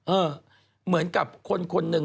เออเหมือนกับคนนึง